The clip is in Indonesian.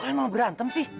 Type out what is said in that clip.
eh lo mau berantem sih